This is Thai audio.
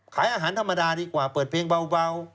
ขายอาหารธรรมดาดีกว่าเปิดเพลงเบา